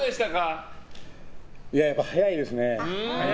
やっぱ速いですね。